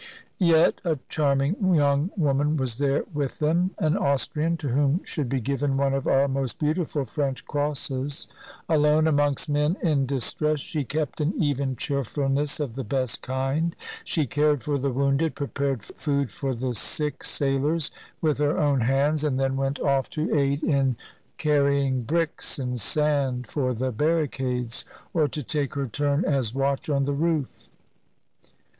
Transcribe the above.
Yet a charming young woman was there with them, — an Austrian, to whom should be given one of our most beautiful French crosses. Alone amongst men in distress, she kept an even cheerfulness of the best kind, she cared for the wounded, prepared food for the sick sailors with her own hands, and then went off to aid in carrying bricks and sand for the barricades or to take her turn as watch on the roof.